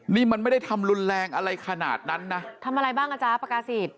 นี่มันไม่ได้ทำรุนแรงอะไรขนาดนั้นนะทำอะไรบ้างอ่ะจ๊ะปากกาศิษย์